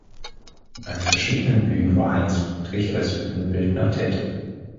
An verschiedenen Bühnen war Heinz Friedrich als Bühnenbildner tätig.